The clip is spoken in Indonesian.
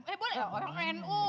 eh boleh orang nu